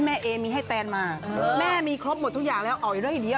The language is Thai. แม่เอมีให้แทนมาแม่มีครบหมดทุกอย่างแล้วเอาอีกเรื่อย